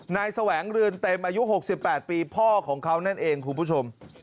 แสวงเรือนเต็มอายุ๖๘ปีพ่อของเขานั่นเองคุณผู้ชม